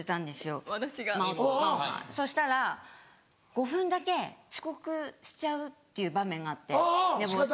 麻音がそしたら５分だけ遅刻しちゃうっていう場面があって寝坊して。